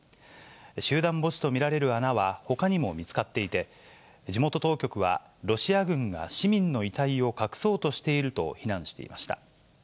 集団墓地と見られる穴は、ほかにも見つかっていて、地元当局は、ロシア軍が市民の遺体を隠そうとしていると非難していました。